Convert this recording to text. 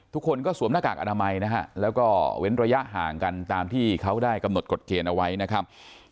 ทุกคนก็สวมหน้ากากอนามัยนะฮะแล้วก็เว้นระยะห่างกันตามที่เขาได้กำหนดกฎเกณฑ์เอาไว้นะครับ